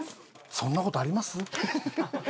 そんな事あります？